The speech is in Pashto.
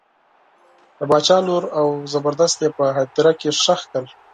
د باچا لور او زبردست یې په هدیره کې ښخ کړل.